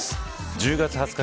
１０月２０日